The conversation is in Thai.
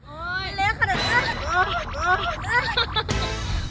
โอ้ยไม่เลี้ยวขนาดนี้